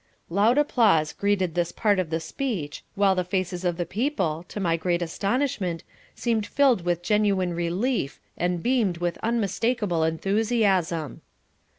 Loud applause greeted this part of the speech while the faces of the people, to my great astonishment, seemed filled with genuine relief and beamed with unmistakable enthusiasm.